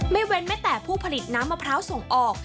เว้นแม้แต่ผู้ผลิตน้ำมะพร้าวส่งออก